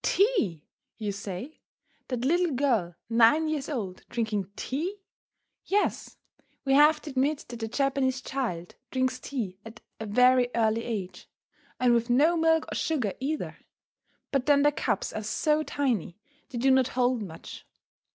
Tea! you say. That little girl, nine years old, drinking tea? Yes, we have to admit that the Japanese child drinks tea at a very early age; and with no milk or sugar, either. But then the cups are so tiny they do not hold much.